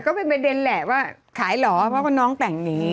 ก็เป็นประเด็นแหละว่าขายเหรอเพราะว่าน้องแต่งหนี